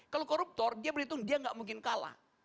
kalau koruptor dia berhitung dia nggak mungkin kalah